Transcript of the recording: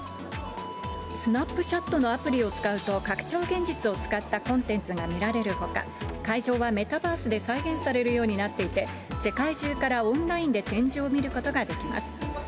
スナップチャットのアプリを使うと、拡張現実を使ったコンテンツが見られるほか、会場はメタバースで再現されるようになっていて、世界中からオンラインで展示を見ることができます。